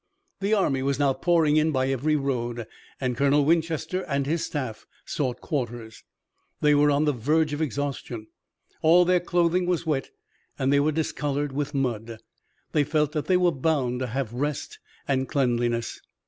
The army was now pouring in by every road and Colonel Winchester and his staff sought quarters. They were on the verge of exhaustion. All their clothing was wet and they were discolored with mud. They felt that they were bound to have rest and cleanliness.